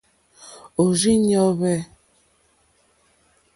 Òrzìɲɔ́ hwɛ̂.